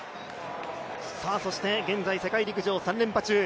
現在、世界陸上３連覇中。